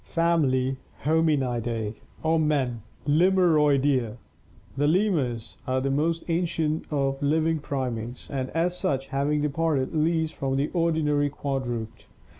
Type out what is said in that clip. Family Hominidae (men). Lemuroidea. — The lemurs (Fig. 235) are the most ancient of living primates and as such have departed least from the ordinary quadruped.